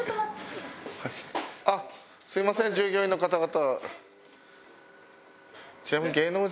あっすいません従業員の方々。